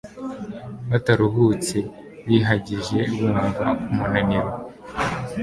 bataruhutse bihagije Bumva umunaniro